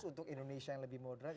untuk indonesia yang lebih moderat